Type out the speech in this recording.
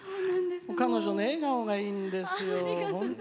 彼女の笑顔がいいんですよ。